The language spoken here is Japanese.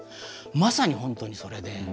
まさに本当にそれで。